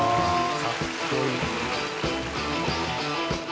かっこいい。